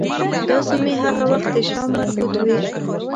دا سیمې هغه وخت د شام مربوط وې.